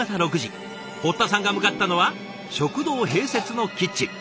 堀田さんが向かったのは食堂併設のキッチン。